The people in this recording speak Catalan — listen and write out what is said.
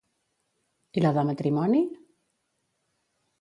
I la de matrimoni?